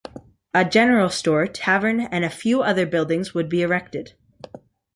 A general store, tavern, and a few other buildings would be erected.